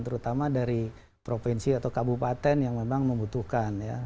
terutama dari provinsi atau kabupaten yang memang membutuhkan ya